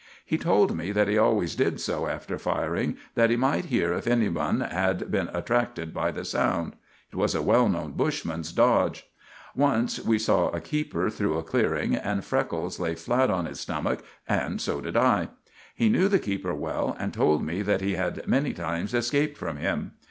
He told me that he always did so after firing, that he might hear if anybody had been attracted by the sound. It was a well known bushman's dodge. Once we saw a keeper through a clearing, and Freckles lay flat on his stomach, and so did I. He knew the keeper well, and told me that he had many times escaped from him.